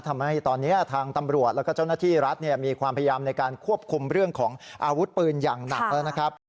ทำให้ตอนนี้ทางตำรวจแล้วก็เจ้าหน้าที่รัฐมีความพยายามในการควบคุมเรื่องของอาวุธปืนอย่างหนักแล้วนะครับ